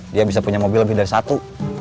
dia bisa punya mobil lebih dari satu